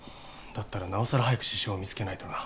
だったらなおさら早く獅子雄を見つけないとな。